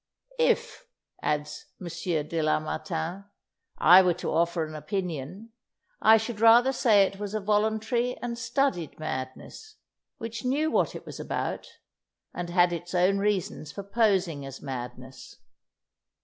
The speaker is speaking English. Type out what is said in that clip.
"If," adds M. de Lamartine, "I were to offer an opinion, I should rather say it was a voluntary and studied madness, which knew what it was about, and had its own reasons for posing as madness.